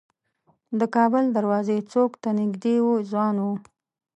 د کابل دروازې څوک ته نیژدې یو ځوان و.